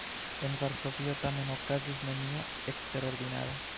En Varsovio tamen okazis nenio eksterordinara.